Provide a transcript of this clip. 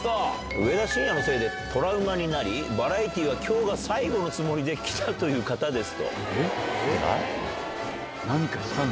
上田晋也のせいでトラウマになり、バラエティはきょうが最後のつもりで来たという方です。